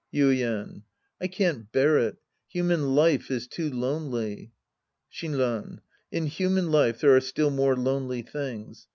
Yuien. I can't bear it. Human life is too lonely. Shinran. In human life there are still more lonely things.